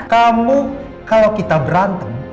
kamu kalo kita berantem